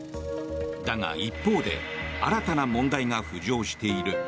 だが、一方で新たな問題が浮上している。